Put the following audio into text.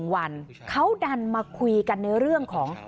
วันเขาดันมาคุยกันในเรื่องของ